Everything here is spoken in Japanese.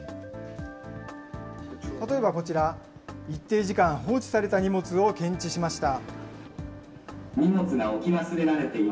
例えばこちら、一定時間、放置された荷物を検知しました。